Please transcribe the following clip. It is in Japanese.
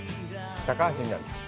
高橋みなみさん。